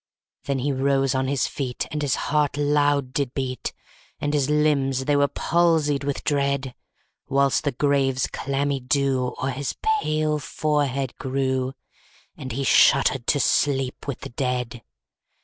10. Then he rose on his feet, And his heart loud did beat, And his limbs they were palsied with dread; _55 Whilst the grave's clammy dew O'er his pale forehead grew; And he shuddered to sleep with the dead.